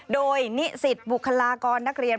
โดยนิสิตบุคลากรนักเรียน